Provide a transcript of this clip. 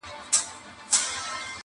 ماشوم وم چي بوډا کیسه په اوښکو لمبوله!.